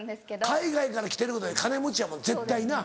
海外から来てるいうことは金持ちやもん絶対な。